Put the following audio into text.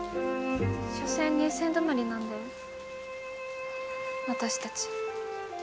しょせん入選止まりなんだよ私たち。